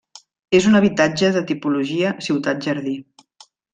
És un habitatge de tipologia ciutat-jardí.